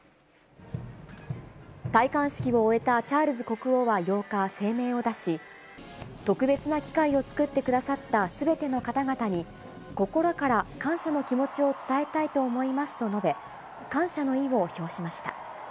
戴冠式を終えたチャールズ国王は８日、声明を出し、特別な機会を作ってくださったすべての方々に、心から感謝の気持ちを伝えたいと思いますと述べ、感謝の意を表しました。